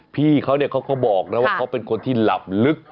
พี่เขาเนี่ยเขาก็บอกนะว่าเขาเป็นคนที่หลับลึก